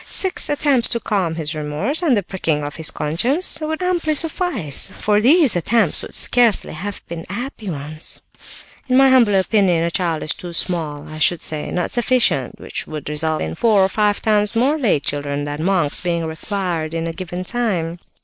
Six attempts to calm his remorse, and the pricking of his conscience, would amply suffice, for these attempts could scarcely have been happy ones. In my humble opinion, a child is too small; I should say, not sufficient; which would result in four or five times more lay children than monks being required in a given time.